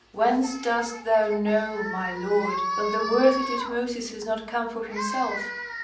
'Whence dost thou know, my lord, that the worthy Tutmosis has not come for himself?'